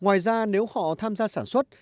ngoài ra nếu họ tham gia sản xuất